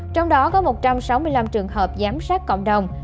trong đó có một trăm sáu mươi năm trường hợp giám sát cộng đồng